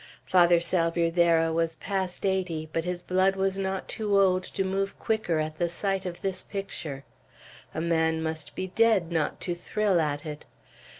Father Salvierderra was past eighty, but his blood was not too old to move quicker at the sight of this picture. A man must be dead not to thrill at it.